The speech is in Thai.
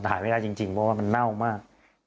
หายไม่ได้จริงเพราะว่ามันเน่ามาก